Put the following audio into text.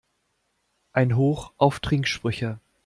Ein Hoch auf Trinksprüche!